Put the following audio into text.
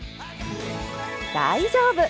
大丈夫！